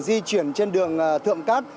di chuyển trên đường thượng cát